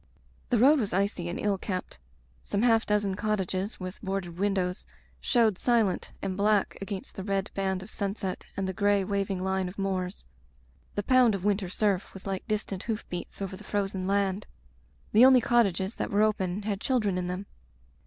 The road was icy and ill kept. Some half dozen cottages with boarded windows showed silent and black against the red band of sunset and the gray, waving line of moors. The pound of winter surf was like [71 ] Digitized by LjOOQ IC Interventions distant hoof beats over the frozen land. The only cottages that were open had chil dren in them.